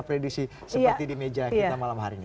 prediksi seperti di meja kita malam hari ini